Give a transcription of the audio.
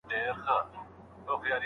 پوهاند وویل چې اسلام توپیر نه کوي.